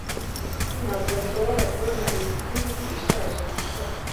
Ntabwo nshobora kubona iyi TV ishaje gukora